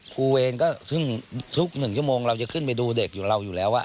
เวรก็ซึ่งทุก๑ชั่วโมงเราจะขึ้นไปดูเด็กอยู่เราอยู่แล้ว